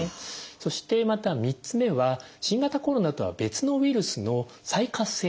そしてまた３つ目は新型コロナとは別のウイルスの再活性化。